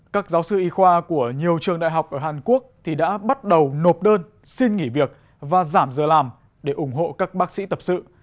các giáo sư y khoa của nhiều trường đại học ở hàn quốc đã bắt đầu nộp đơn xin nghỉ việc và giảm giờ làm để ủng hộ các bác sĩ tập sự